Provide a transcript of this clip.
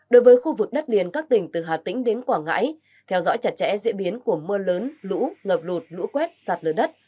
đối với khu vực đất liền các tỉnh từ hà tĩnh đến quảng ngãi theo dõi chặt chẽ diễn biến của mưa lớn lũ ngập lụt lũ quét sạt lở đất